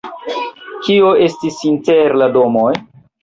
Kio estis inter la domoj?